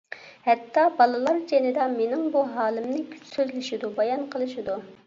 ھەتتا بالىلار جېنىدا مېنىڭ بۇ ھالىمنى سۆزلىشىدۇ، بايان قىلىشىدۇ.